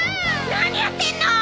何やってんのー！！